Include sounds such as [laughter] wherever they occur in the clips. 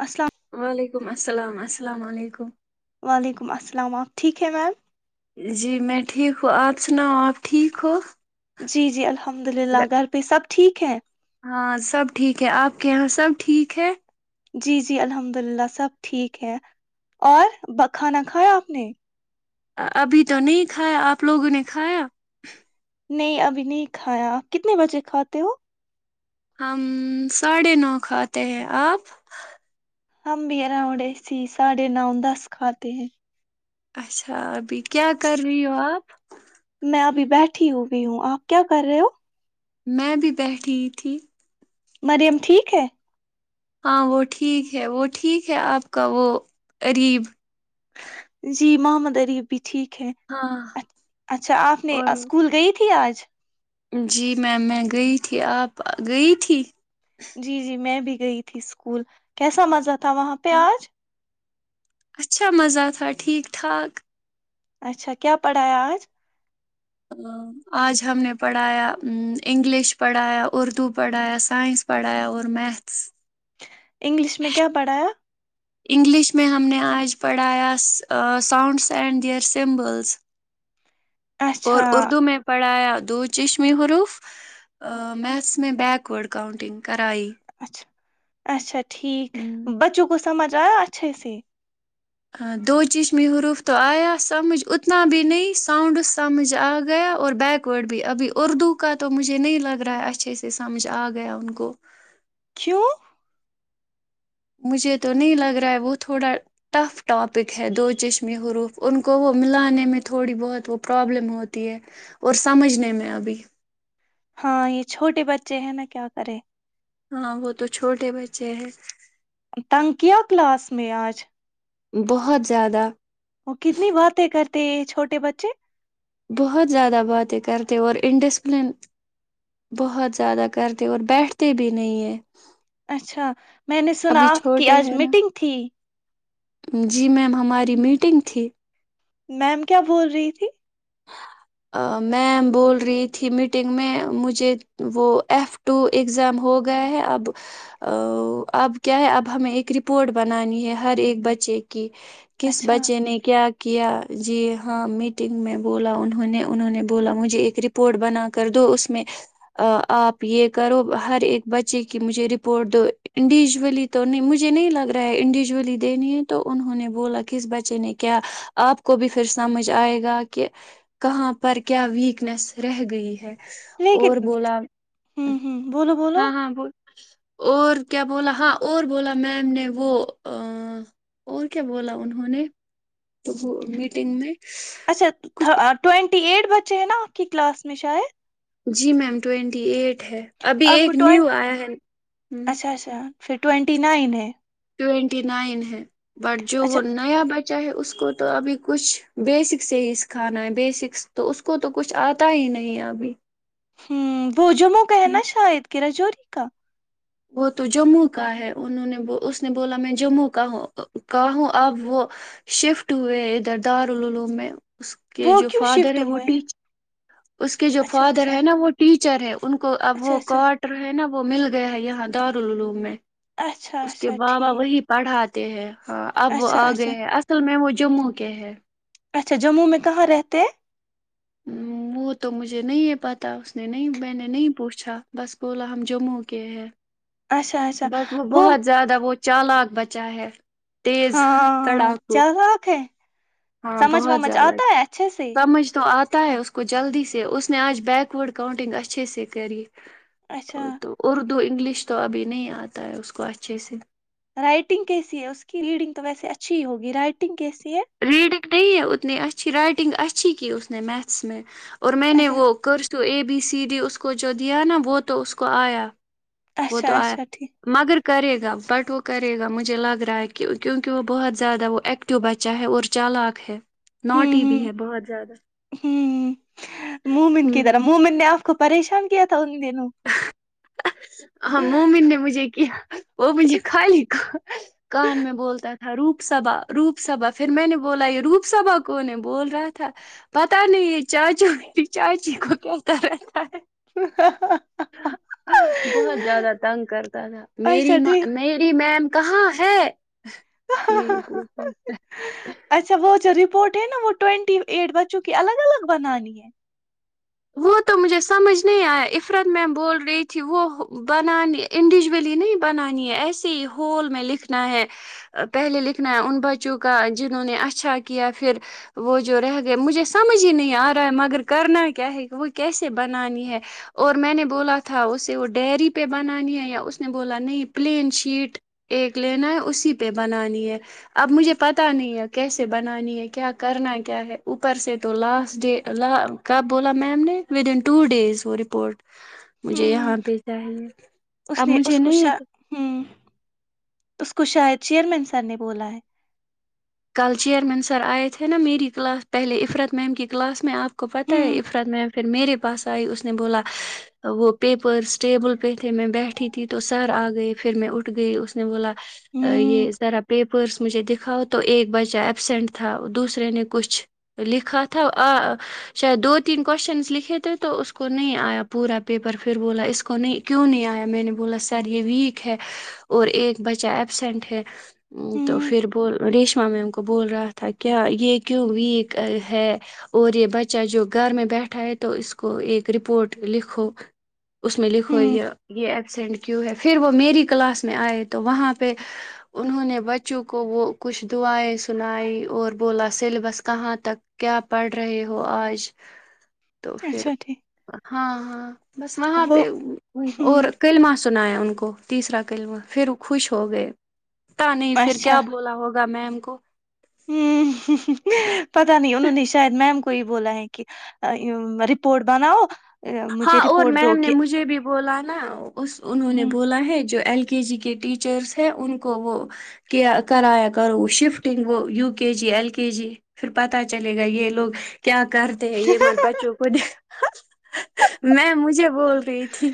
السلام ولیکم السلام السلام علیکم وعلیکم السلام آپ ٹھیک ہیں میم جی میں ٹھیک ہوں آپ سناؤ آپ ٹھیک ہو جی جی الحمد للہ گھر پہ سب ٹھیک ہے ہاں سب ٹھیک ہے آپ کے یہاں سب ٹھیک ہے جی جی الحمد للہ سب ٹھیک ہے اور کھانا کھایا آپ نے ابھی تو نہیں کھایا آپ لوگوں نے کھایا نہیں ابھی نہیں کھایا آپ کتنے بجے کھاتے ہو ہم ساڑھے نو کھ آاتے ہیں آپ ہم بھی اراؤنڈ ایسی ساڑھے نو دس کھاتے ہیں اچھا بی کیا کر رہی ہو آپ میں ابھی بیٹھی ہوئی ہوں آپ کیا کر رہے ہو میں بھی بیٹھی تھی مریم ٹھیک ہے ہاں وہ ٹھیک ہے وہ ٹھیک ہے آپ کا وہ اریب جی محمد عریف ٹھیک ہے ہاں اچ اچھا آپ نے اور اسکول گئی تھی آج جچ [unintelligible] جی میم میں گئی تھی آپ گئی تھی جی جی میں بھی گئی تھی اسکول کیسا مزہ تھا بتا وہاں پیاز [unintelligible] اچھا مزہ تھا ٹھیک ٹھاک اچھا کیا پڑھایا آج آج ہم نے پڑھایا انگلش پڑھایا اردو پڑھایا سائنس پڑھایا اور میتھس انگلش میں کیا پڑھایا انگلش میں ہم نے آج پڑھایا ساؤنڈس اینڈ دیئیر سمبلز اور اچھا اردو میں پڑھایا دو چشمے حروف میتھس میں بییک وورڈ کاؤنٹنگ کرائیی اچھا اچھاچ ٹھیک بچوں کو سمجھ آیا اچھے سے [inaudible] کیوں [inaudible] ہاں یہ چھوٹے بچے ہیں نا کیا کرے ہاں وہ تو چھوٹے بچے ہیں تن کیا کلاس میں آج بہت زیادہ وہ کتنی باتیں کرتے یہ چھوٹے بچے بہت زیادہ باتیں کرتے اور انڈسپلن بہت زیادہ کرتے اور بیٹھتے بھی نہیں ہیں اچھا میں نے سنا آپ کی آج ہیں نا میٹنگ تھی جی میم ہماری میٹنگ تھی میم کیا بول رہی تھی میم بول رہی تھی میٹنگ میں مجھے وہ ایف ٹو اگزام ہو گیا ہے اب اب کیا ہے اب ہمیں ایک رپورٹ بنانی ہے ہر ایک بچے کی کس اچھا بچے نے کیا کیا کیا جی ہاں میٹنگ میں بولا انہوں نے انہوں نے بولا مجھے ایک رپورٹ بنا کر دو اس میں آپ یہ کرو ہر ایک بچے کی مجھے رپورٹ دو انڈیویژولی تو نہیں مجھے نہیں لگ رہا ہے انڈیویژولی دینی ہے تو انہوں نے بولا کس بچے نے کیا آپ کو بھی پھر سمجھ آئے گا کہ کہ کہاں پر کیا ویکنیس رہ گئی ہے اور لیکن بولا ہوں ہوں بولو بولو ہاں ہاں ب اور کیا بولا ہاں اور بولا میم نے وہ اور کیا بولا انہوں نے تو وہ میٹنگ میں اچھا کچھ ٹوینٹی ایٹ بچے ہیں نا آپ کی کلاس میں شاید جی میم ٹوینٹی ایٹ ہے ابھی آپ کو ایک ٹوین نیو آیا ہے ہ اچھا اچھا پھر ٹوینٹی نائن ہے ٹوینٹی نائن ہے بٹ جو اچھا وہ نیا بی [unintelligible] چاہے اس کو تو ابھی کچھ بیسک سے ہی سکھانا ہے بیسکس تو اس کو تو کچھ آتا ہی نہیں ابھی ہوں وہ جموں کا ہے نا شاید کی رجور کا وہ تو جموں کا ہے انہوں نے اس نے بولا میں جموں کا ہوں کہ ہوں اب وہ شفٹ ہوئے ہیں ادھر دارالعلوم میں اس کے وہ جو کیوں فادر شفٹ ہے وہ ہوئے ہیں ٹیچ اس کے جو اچھا فادر اچھا ہے نا وہ ٹیچر ہے ان کو اب اچھا وہ اچھا کوارٹر ہے نا وہ مل گیا ہے یہاں دو اورولو میں اچھا اس کے اچھا بابا ٹھیک وہی پڑھا تے ہیں ہاں اب وہ اچھا آ گئے اچھا ہیں اصل میں مجھے جموں کے ہے اچھا جموں میں کہاں رہتے ہیں وہ تو مجھے نہیں پتا اس نے نہیں میں نے نہیں پوچھا بس بولا ہم جموں کے ہیں اچھا اچھا بٹ وہ بہت زیادہ وہ چالاک بچائ ہے تیز ہاں تڑاکو چل رکھ ہے ہاں سمجھ بہت ومجھ زیادہ آتا ہے اچھے سے سمجھ تو آ پتتا ہے اس کو جلدی سے اس نے آج بیکورڈ کاؤنٹنگ اچھے سے کری ا اچھا تو اور دو انگلش تو ابھی نہیں آتا ہے اس کو اچھے سے رائٹنگ کیسی ہے اس کی ریڈنگ تو ویسے اچھی ہی ہوگی رائٹنگ کیسی ہے ریڈنگ نہیں اتن اچھی رائٹنگ اچھی اچھی کی اس نے میتھس میں اور میں نے اچھا وہ کرسو ا بی سی ڈی اس کو جو دیا نا وہ تو اس کو آیا وہ تو اچھا آیا اچھا ٹھیک مگر کرے گا بٹ وہ کرے گا مجھے لگ رہا ہے کہ کیونکہ وہ بہت زیادہ وہ ایکٹو بچ چاہے اور چال آق ہے نوٹ ہوں ہی بھی ہوں ہے بہت زیادہ ہوں مومن کی طرح مومن نے آپ پریشان کیا تھا انین مومن نے مجھے کیا وہ مجھے خالی کان میں بولتا تھا تھا روپ سبا روپ سبا پھر میں نے بولا یہ روپ سبا کون بول رہا تھا پتا نہیں یہ چاچوں کی چاچی کو کہتا رہتا ہے [inaudible] بہت زیادہ تنگ کرتا تھا اچھا میریاں ٹھیک میری میم کہاں ہے یہی پوچھتا اچھا وہچ بورٹ ہے نا وہ ٹوینٹی ایٹ بچوں کی الگ الگ بنانی ہے وہ تو مجھے سمجھ نہیں آیا عفرت میم بول رہی تھی وہ بنانی انڈیویجولی نہیں بنانی ہے ایسے ہی ہول میں لکھنا ہے پہلے لکھنا ہے ان بچوں کا جنہوں نے اچھا کیا پھر وہ جو رہ گئے مجھے سمجھ ہی نہیں آ رہا ہے مگر کرنا کیا وہ کیسے بنانی ہے اور میں نے بولا تھا اسے وہ ڈیری پہ بنانی ہے یا اس نے بولا نہیں پلین شیٹ ایک لینا ہے اسی پہ بنانی ہے اب مجھے پتا نہیں ہے کیسے بنانی ہے کیا کرنا کیا ہے اوپر سے تو لاسٹ ڈ کب بولا میم نے ودن ٹو ڈیز وہ رپورٹ [inaudible] مجھے ہوں یہاں پہ چاہیے اس اب نے مجھے اس کو نہیں ہے شا کشاد چیئرمین سر نے بولا ہے کل چیئرمین سر آئے تھے نا میری کلاس پہلے عفرت میم کی کلاس میں آپ کو پتہ ہے ہوں عفرت میم پھر میرے پاس آئی اس نے بولا وہ پیپرس ٹیبل پہ تھے میں بیٹھی تھی تو سر آ گئے پھر میں اٹھ گئی اس نے بولا ہوں یہ سرا پیپرس مجھے دکھاؤ تو ایک بچہ ایبسینٹ تھا دوسرے نے کچھ لکھا تھا شاید دو تین کوشچنس لکھے تھے تو اس کو نہیں آیا پورا پیپر پھر بولا اس کو نہیں کیوں نہیں آیا میں نے بولا سر یہ ویک ہے اور ایک بچہ ایبسینٹ ہے [inaudible] [inaudible] تو ہوں پھر بول ریشما میم کو بول رہا تھا کیا یہ کیوں ویک ہے اور یہ بچہ جو گھر میں بیٹھا ہے تو اس کو ایک رپورٹ لکھو [inaudible] اس میں لکھوئی ہوں یہ یہ ایک اسینڈ کیوں ہے پھر وہ میری کلاس میں آئے تو وہاں پہ انہوں نے بچوں کو وہ کچھ دعائیں سنائی اور بولا سیلیبس کہاں تک کیا پڑھ رہے ہو آج تو پھر اچھا ٹھیک [inaudible] ہاں ہاں بس وہاں وہ پہ اور ہوں کللماس [inaudible] سنایا ان کو تیسرا کلم پھر خوش ہو گئے [inaudible] پتا نہیں پھر اچھا کیا ہوں بولا ہوگا ہوا میں ہم کو [inaudible] [inaudible] پتا نہیں انوں نے شاید میم کو یہ بولا ہے کہ رپورٹ بناؤ [inaudible] ہاں اور رپورٹ دو میم نے کہ مجھے بھی بولا نا اس انہوں نے ہوں بولا ہے جو ایل کے جی کے ٹیچرس ہیں ان کو وہ کیا کرایا کرو وہ شفٹنگ وہ U K G L K G پھر پتاہ چلے گا یہ لوگ کیا کرتے ہیں یہ مت بچوں کو دیک میں مجھے بول رہی تھی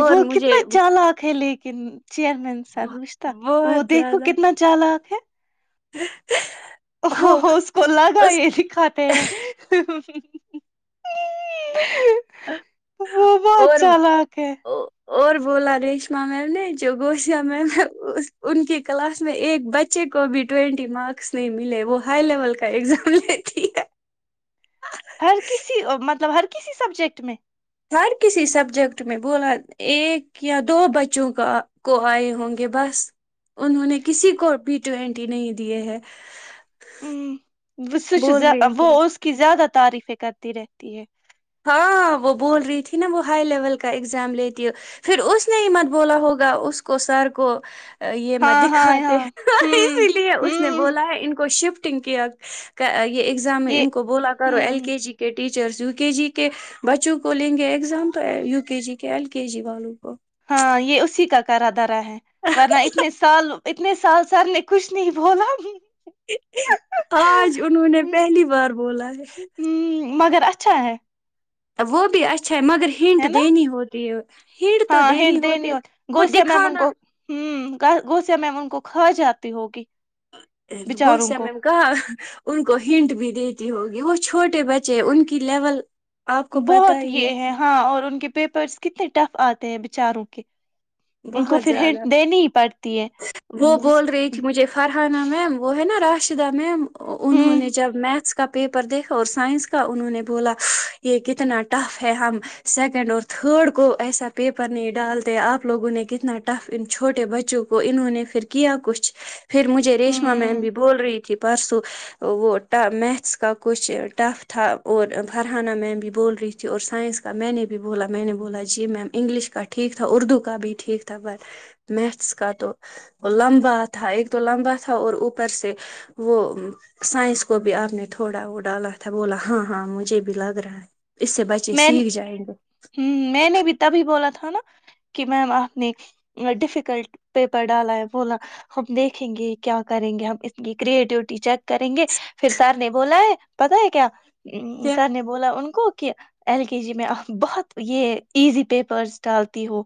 اور وہ مجھے کتنا چالاک ہے لیکن چیئر مین سر رشت وہ بہت دیکھو زیادہ کتنا چالاک [unintelligible] ہ اور اسکولا گئی اس د کاتات ہیں وہ ب اچ اور چالک ہے اور بولا ریشما میم نے جو گوشیا میم ہے ان کی کلاس میں ایک بچے کو بھی ٹوینٹی مارکس نہیں ملے وہ ہائی لیول کا ایگزام لیتی ہے ہر کسی مطلب ہر کسی سبجیکٹ میں ہر کسی سبجیکٹ میں بولا ایک یا دو بچوں کا کو آئے ہوں گے بس انہوں نے کسی کو بی ٹوینٹی نہیں دیے ہے ہوں وہ س ز بول رہی وہ تھی میں اس کیی زیادہ تعریخ ف کررتی رہتی ہے ہاں وہ بول رہی تھی نا وہ ہائی لیول کا اگزام لیتی ہے پھر ا نے ہی مت بولا ہوگا اس کو سر کو یہ م ہاں ہاں دکھاتے ہاں ہوں اسی لیے اس نے ہوں بولا ہے ان کو شفٹ ٹنکیا یہ ایگزام ہے یہ ان کو بولا کرو ایل ہوں کے جی کے ٹیچرس یو کے جی کے بچوں کو لیں گے ایگزام تو یو کے جی کے ایل کے جی والوں کو ہاں یہ اسی کا کرا تھا رہا ہے ورنہ اتنے سال اتنے سال سے سر نے کچھ نہیں بولا گ آج انہوں نے پہلی بار بولا ہے مگر اچھا ہے وہ بھی اچ اچھا ہے مگر ہینٹ ہے نا دینی ہوتی ہے ہٹ تو ہاں دینی ہٹ ہوتی ہے ہو وہ گوسیا میم ان دکھانا کو ہوں گوسیا میں ان کو کھا جاتی ہوگی بچاروں گوسیا کو میم کہا ان کو ہنٹ بھی دیتی ہوگی وہ چھوٹے بچے ان کی لیول آپ کو پتہ بہت ہی ہے یہ ہیں ہاں اور ان کے پیپرس کتنے ٹف آتے ہیں بیچاروں کے ان کو بہت پھر ہٹ زیادہ دینی ہی پڑتی ہے وہ ہوں بول رہی تھی مجھے فرحانہ میم وہ ہے نا راش [unintelligible] انہوں نے جب میتس پیپر دیکھا اور سائنس کا انہوں نے بولا یہ کتنا ٹف ہے ہم سیکنڈ اور تھرڈ کو ایسا پیپر نہیں ڈالتے آپ لوگوں نے کتنا ٹف ان چھوٹے بچوں کو انہوں نے پھر کیا کچھ پھر مجھے ریشمہ میم ہوں بھی بول رہی تھی پرسوں وہ میتھس کا کچھ ٹف تھا اور فرحانہ میم بھی بول رہی تھی اور سائنس کا میں نے بھی بولا میں نے بولا جی میم انگلش کا ٹھیک تھا اردو کا بھی ٹھیک تھا پر میتھس کا تو لمبا تھا ایک تو لمبا تھا اور اوپر سے وہ سائنس کو بھی آپ نے تھوڑا وہ ڈالا تھا بولا ہاں ہاں مجھے بھی لگ رہا ہے اس سے بچے میں ہ سیکھ جائیں گے میں نے بتا بھی بولا تھا نا کہ میم آپ نے ڈیفیکلٹ پیپر ڈالا ہے بولا ہم دیکھیں گے کیا کریں گے ہم اس کی کرٹیوٹی چیک کریں گے پھر سر نے بولا ہے پتا ہے کیا کیا سر نے بولا ان کو کہ ایل کے جی میں آپ بہت یہ ایزی پیپرس ڈالتی ہو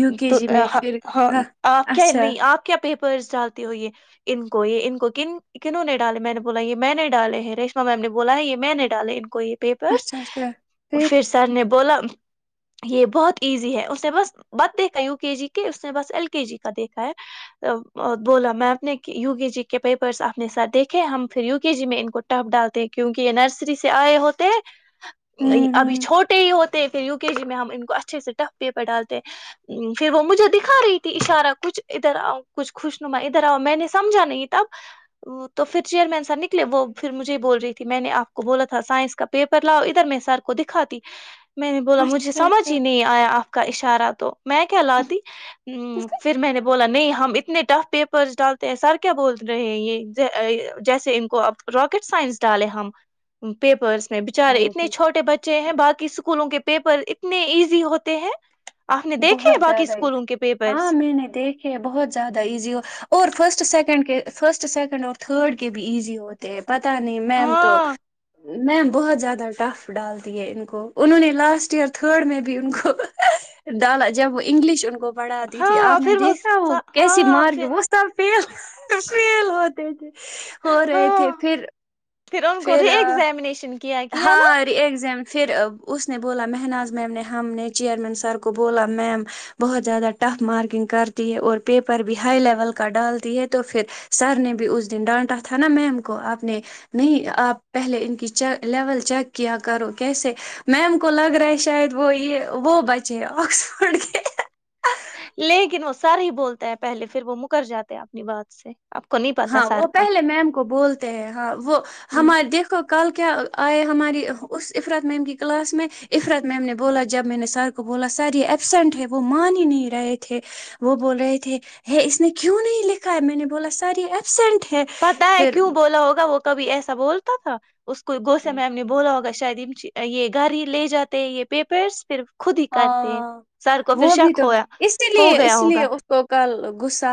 یو کے تو جی میں پھر ہاں آپ کیا اچھا نہیں آپ کیا پیپرس ڈالتے ہو یہ ان کو یہ ان کو کن کنہوں نے ڈالے میں نے بولا یہ میں نے ڈالے ہیں ریشما میم نے بولا ہے یہ میں نے ڈالے ان کو یہ پیپرس اچھا اچھا پھر سر نے بولا یہ بہت ایزی ہے اس نے بس بت دیکھا ہے یو کے جی کے اس نے بس ایل کے جی کا دیکھا ہے بولا میں اپ نے ی کے جی کے پیپرس اپنے ساتھ دیکھے ہم پھر یو کے جی میں ان کو ٹف ڈالتے ہیں کیونکہ یہ نرسری سے آئے ہوتے ہیں ہوں ابھی ہوں چھوٹے ہی ہوتے ہیں پھر یو کے جی میں ہم ان کو اچھے سے ٹف پیپر ڈالتے پھر وہ مجھے دکھا رہی تھی اشارہ کچھ ادھر آؤ کچھ خوش نما ادھر آؤ میں نے سمجھا نہیں تب تو پھر چیئرمین سح نکلے وہ پھر مجھے ہی بول رہی تھی میں نے آپ کو بولا تھا سائنس کا پیپر لاؤ ادھر میں سے سر کو دکھاتی میں نے بولا مجھے اچھا سمجھ ہی اچھا نہیں آیا آپ کا اشارہ تو میں کیا لاتی پھر میں نے بولا نہیں ہم اتنے ٹف پیپرس ڈالتے ہیں سر کیا بول رہے ہیں یہ جیسے ان کو اب راکٹ سائنس ڈالے ہم پیپرس میں بچارے وہ اتنے بھی بچے ہیں باقی اسکولوں کے پیپر ایک کتنے ایزی ہوتے ہیں آپ نے دیکھے بہت ہیں باقی زیادہ اسکولوں کے ہاں پیپرس میں نے دیکھے بہت زیادہ ایزی ہو اور فرسٹ سیکنڈ سیکنڈ کے فرسٹ سیکنڈ اور تھرڈ کے بھی ایزی ہوتے ہیں پتا نہیں میم تو ہاں میم بہت زیادہ ٹف ڈالتی ہے ان کو انہوں نے لاسٹ ایئر تھرڈ میں بھی ان کو ڈالا جب وہ انگلش ان کو بڑھات دی تھی ہاں آپ نے پھر دیکھا وہ کیسی ہاں مارک پھر وہتاحب فیل فیل ہوتے تھے ہو رہے ہاں تھے پھر ان کو ری پھر ایگزامینیشن کیا کیا نا ہاری ایگزام پھر اس نے بولا مہناز میم نے ہم نے چیئرمین سر کو بولا میم بہت زیادہ ٹف مارکنگ کرتی ہے اور پیپر بھی ہائی لیول کا ڈالتی ہے تو پھر سر نے بھی اس دن ڈانٹا تھا نا میم کو آپ نے نہیں آپ پہلے ان کی لیول چیک کیا کرو کیسے میم کو لگ رہا ہے شاید وہ یہ وہ بچ چے آکسفڈ کے لیکن وہ سارے ہی بولتا ہے پہلے پھر وہ مکر جاتے ہیں اپنی بات سے آپ کو نہیں پتا ہاں سر وہ کا پہلے میم کو بولتے ہیں ہاں وہ ہوں ہمار دیکھو کل کیا آیا ہماری اس عفرت میم کی کلاس میں عفرت میم نے بولا جب میں نے سر کو بولا سر یہ ایبسینٹ ہے وہ مان ہی نہیں رہے تھے وہ بول رہے تھے اس نے کیوں نہیں لکھا ہے میں نے بولا س ساری ایپسینٹ پتا ہے کیوں بولا ہوگا وہ کبھی ایسا بولتا تھا اس کو گوس میم نے بولا ہوگا شاید یہ گھر ہی لے جاتے ہیں یہ پیپرس پھر خود ہی کرتے ہیں ہاں سر کو پھر وہ بھی شک تو ہویا اسی ہو لیے گیا اس ہوگا لیے اس کو کل غصہ